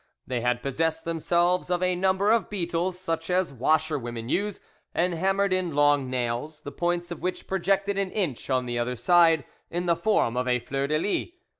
They had possessed themselves of a number of beetles such as washerwomen use, and hammered in long nails, the points of which projected an inch on the other side in the form of a fleur de lis.